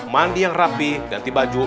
mandi yang rapi ganti baju